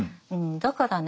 だからね